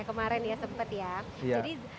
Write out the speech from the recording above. kemarin ya sempat ya jadi